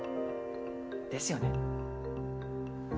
ですよね？